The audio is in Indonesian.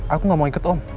aku gak mau ikut om